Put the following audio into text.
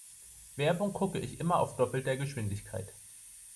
Werbung gucke ich immer auf doppelter Geschwindigkeit.